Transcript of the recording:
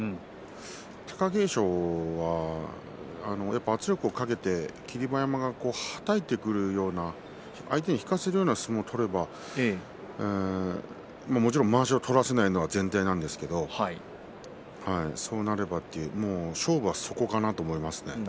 貴景勝は、やっぱり圧力をかけて霧馬山がはたいてくるような相手に引かせるような相撲を取ればもちろんまわしを取らせないのは絶対なんですけれどそうなれば勝負はそこかなと思いますね。